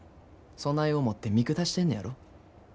そない思って見下してんねやろ。